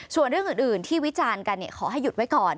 ส่วนเรื่องอื่นที่วิจารณ์กันขอให้หยุดไว้ก่อน